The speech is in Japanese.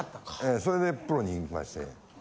それでプロにいきまして。